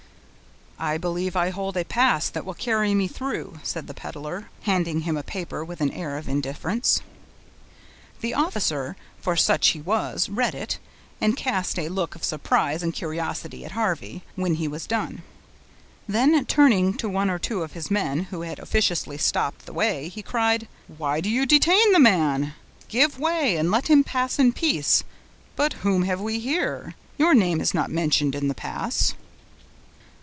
"I believe I hold a pass that will carry me through," said the peddler, handing him a paper, with an air of indifference. The officer, for such he was, read it, and cast a look of surprise and curiosity at Harvey, when he had done. Then turning to one or two of his men, who had officiously stopped the way, he cried,— "Why do you detain the man? Give way, and let him pass in peace. But whom have we here? Your name is not mentioned in the pass!"